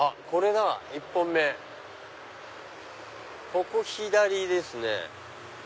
ここ左ですね。